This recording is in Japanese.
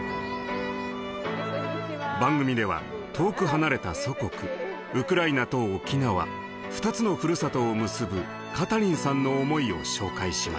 番組では遠く離れた祖国ウクライナと沖縄２つのふるさとを結ぶカタリンさんの思いを紹介しました。